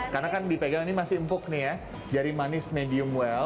karena kan dipegang ini masih empuk nih ya jari manis medium well